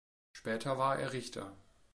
Später war er Richter.